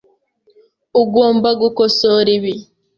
Ugomba gukosora ibi .